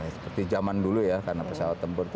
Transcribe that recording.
seperti zaman dulu ya karena pesawat tempur itu